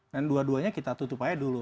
dan dua duanya kita tutup aja dulu